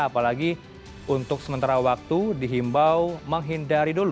apalagi untuk sementara waktu dihimbau menghindari dulu